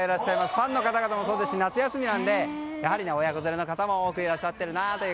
ファンの方々もそうですし夏休みなので、親子連れも多くいらっしゃっています。